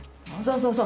そうそう。